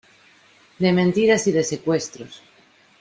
de mentiras y de secuestros.